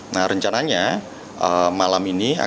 nah rencananya malam ini akan dilakukan